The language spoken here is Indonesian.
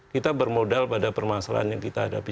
kita bermodal pada permasalahan yang kita hadapi